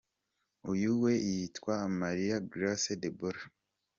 Uyu we yitwa Marie Grace Deborah.